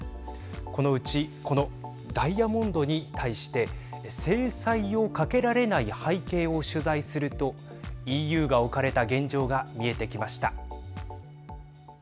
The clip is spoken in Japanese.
このうちこのダイヤモンドに対して制裁をかけられない背景を取材するとＥＵが置かれた現状が見えてきました。